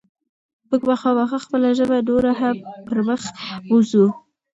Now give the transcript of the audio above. موږ به خامخا خپله ژبه نوره هم پرمخ بوځو.